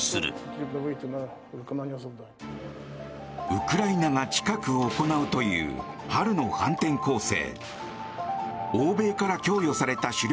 ウクライナが近く行うという春の反転攻勢。